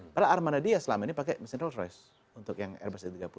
padahal armada diaz selama ini pakai mesin rolls royce untuk yang airbus a tiga puluh nya